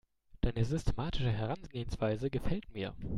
Deine systematische Herangehensweise gefällt mir.